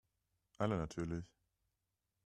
Alle natürlich.